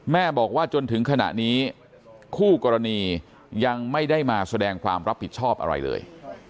แม่บอกว่าจนถึงขณะนี้คู่กรณียังไม่ได้มาแสดงความรับผิดชอบอะไรเลย